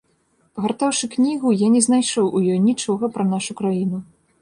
Прагартаўшы кнігу, я не знайшоў у ёй нічога пра нашую краіну.